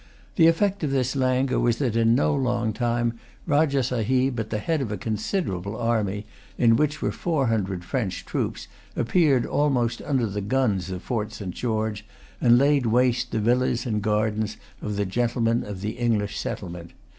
The effect of this languor was that in no long time Rajah Sahib, at the head of a considerable army, in which were four hundred French troops, appeared almost under the guns of Fort St. George, and laid waste the villas and gardens of the gentlemen of the English settlement.